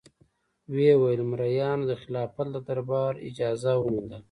ویې ویل: مریانو د خلافت له دربار اجازه وموندله.